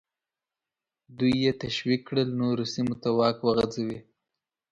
دوی یې تشویق کړل نورو سیمو ته واک وغځوي.